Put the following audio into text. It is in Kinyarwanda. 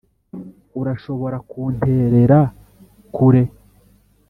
urashobora kunterera kure?